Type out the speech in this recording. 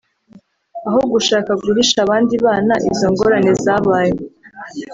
Aho gushaka guhisha abandi bana izo ngorane zabaye